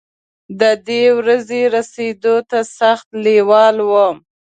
د دې ورځې رسېدو ته سخت لېوال وم.